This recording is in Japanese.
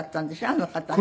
あの方ね。